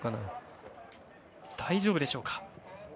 大丈夫でしょうか。